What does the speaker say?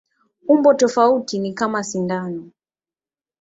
Umbo tofauti ni kama sindano.